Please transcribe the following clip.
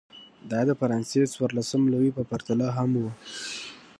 دا د فرانسې څوارلسم لويي په پرتله هم و.